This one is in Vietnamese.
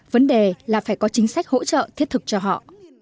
vấn đề là phải có chính sách hỗ trợ thiết thực cho họ